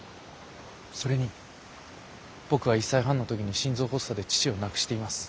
それに僕は１歳半の時に心臓発作で父を亡くしています。